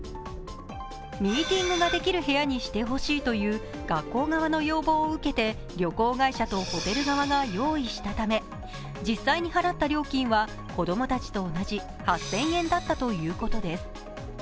ミーティングができる部屋にしてほしいという学校側の要望を受けて旅行会社とホテル側が用意したため実際に払った料金は子供たちと同じ８０００円だったということです。